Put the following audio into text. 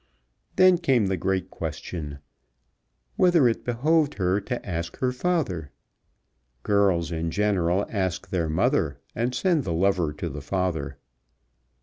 Then came the great question, whether it behoved her to ask her father. Girls in general ask their mother, and send the lover to the father.